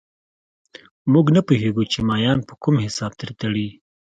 موږ نه پوهېږو چې مایان په کوم حساب ځان تړي